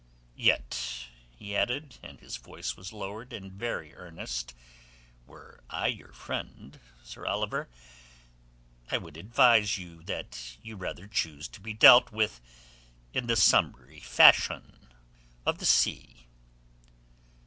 "Yet," he added, and his voice was lowered and very earnest, "were I your friend, Sir Oliver, I would advise you that you rather choose to be dealt with in the summary fashion of the sea."